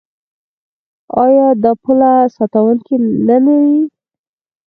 آیا دا پوله ساتونکي نلري؟